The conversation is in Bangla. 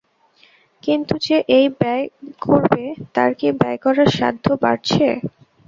কিন্তু যে এই ব্যয় করবে তার কি ব্যয় করার সাধ্য বাড়ছে?